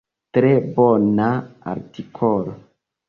Tre bona artikolo!